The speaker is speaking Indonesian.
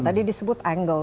tadi disebut angle